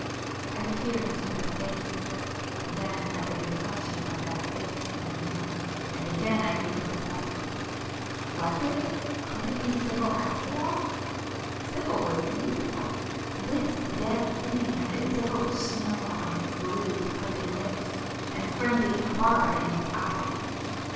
I peered into her face,—then at the reflection of that face in the mirror,—and again I grew perplexed,—was it, could it be Sibyl after all? Sibyl was beautiful,—this dead thing had a devilish smile on its blue, parted lips, and frenzied horror in its eyes!